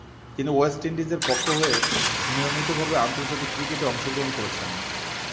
তিনি ওয়েস্ট ইন্ডিজের পক্ষ হয়ে নিয়মিতভাবে আন্তর্জাতিক ক্রিকেটে অংশগ্রহণ করছেন।